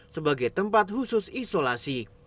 sebagai tempat khusus isolasi